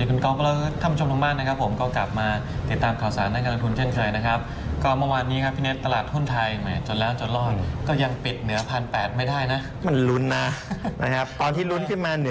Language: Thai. ยังหนาแน่นเหมือนเดิมนะครับประมาณสัก๙หมื่นกว่าล้าน